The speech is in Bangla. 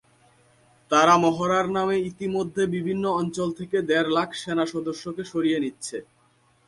তারা মহড়ার নামে ইতিমধ্যে বিভিন্ন অঞ্চল থেকে দেড় লাখ সেনাসদস্যকে সরিয়ে নিচ্ছে।